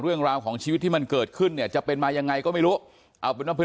เรื่องราวของชีวิตที่มันเกิดขึ้นจะเป็นมายังไงก็ไม่รู้